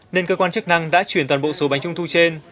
nên cơ quan chức năng đã chuyển toàn bộ số bánh trung thu trên